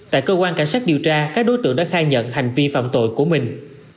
tại cơ quan cảnh sát điều tra các đối tượng đã khai nhận hành vi phạm tội của mình